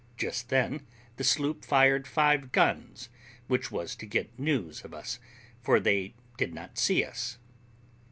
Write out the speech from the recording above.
[Just then the sloop fired five guns, which was to get news of us, for they did not see us.